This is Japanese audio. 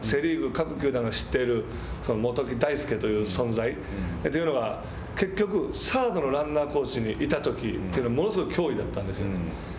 各球団が知っているその元木大介という存在というのは結局サードのランナーコーチにいたときというのはものすごい驚異だったんですよね。